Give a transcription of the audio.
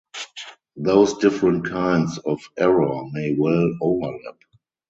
Those different kinds of error may well overlap.